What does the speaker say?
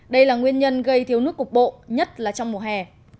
đây là nguyên nhân gây thiếu nước cục bộ nhất là trong mùa hè